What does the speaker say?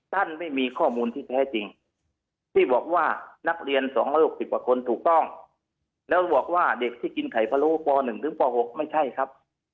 ท่านไม่มีข้อมูลที่แท้จริงที่บอกว่านักเรียนสองห้าหกสิบ